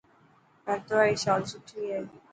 ڀرت واري شال سٺي هي.